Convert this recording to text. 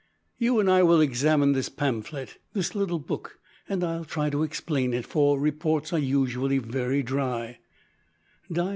You and I will examine this pamphlet this little book and I'll try to explain it, for reports are usually very dry."